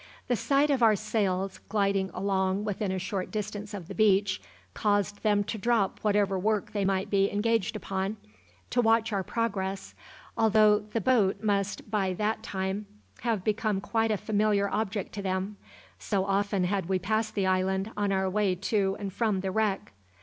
The sight of our sails, gliding along within a short distance of the beach, caused them to drop whatever work they might be engaged upon, to watch our progress, although the boat must by that time have become quite a familiar object to them, so often had we passed the island on our way to and from the wreck.